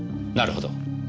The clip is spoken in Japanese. なるほど。